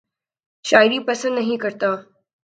شاعری پسند نہیں کرتا